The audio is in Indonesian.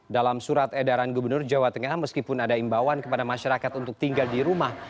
dalam surat edaran gubernur jawa tengah meskipun ada imbauan kepada masyarakat untuk tinggal di rumah